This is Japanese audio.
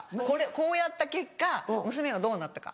こうやった結果娘がどうなったか。